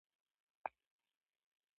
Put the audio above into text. تر دې زیات نه وژل کېږو.